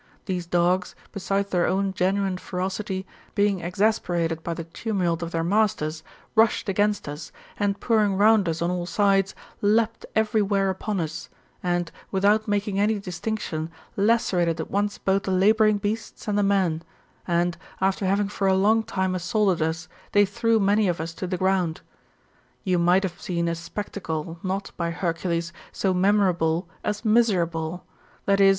These dogs, besides their own genuine ferocity, being exasperated by the tumult of their masters, rushed against us, and pouring round us on all sides, leaped every where upon us, and, without making any distinction, lacerated at once both the labouring beasts and the men; and, after having for a long time assaulted us, they threw many of us to the ground. You might have seen a spectacle, not, by Hercules, so memorable as miserable ; viz.